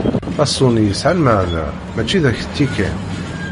Aṣuni yesɛa lmaɛna mačči d aketti kan.